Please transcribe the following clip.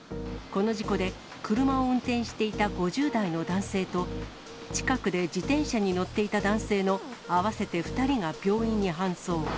この事故で、車を運転していた５０代の男性と、近くで自転車に乗っていた男性の合わせて２人が病院に搬送。